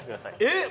えっ！